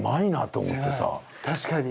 確かに。